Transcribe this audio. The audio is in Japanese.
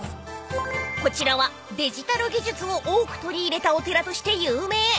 ［こちらはデジタル技術を多く取り入れたお寺として有名］